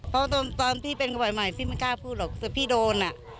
เพราะตอนพี่เป็นกระบอยใหม่พี่ไม่กล้าพูดหรอกแต่พี่โดนอ่ะ